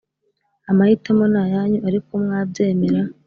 Amahitamo ni ayanyu [ariko] mwabyemera